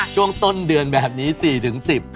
ช่วงต้นเดือนแบบนี้๔๑๐